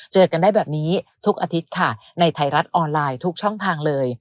เจอกันได้แบบนี้ทุกอาทิตย์ค่ะในไทยรัฐออนไลน์ทุกช่องทางเลย